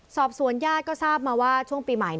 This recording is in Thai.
สอบสวนญาติก็ทราบมาว่าช่วงปีใหม่